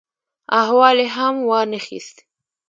احوال یې هم وا نه خیست.